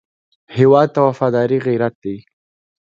هېواد ته وفاداري غیرت دی